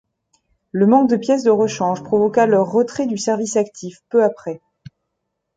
Le manque de pièces de rechange provoqua leur retrait du service actif peu après.